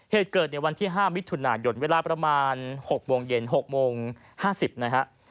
เหตุเกิดในวันที่๕มิถุนายนเวลาประมาณ๖โมงเย็น๖โมง๕๐นะฮะ